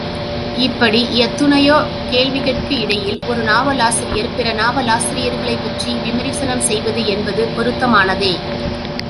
இப்படி எத்துணையோ கேள்விகட்கு இடையில் ஒரு நாவலாசிரியர் பிற நாவலாசிரியர்களைப் பற்றி விமரிசனம் செய்வது என்பது பொருத்தமானதே.